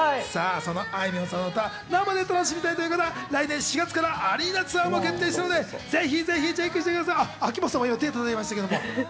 そのあいみょんさんの歌、生で楽しみたいという方は来年４月からアリーナツアーも決定したのでぜひチェックしてください。